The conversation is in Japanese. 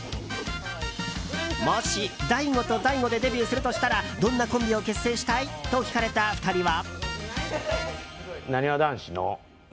もし、ダイゴとダイゴでデビューするとしたらどんなコンビを結成したい？と聞かれた２人は。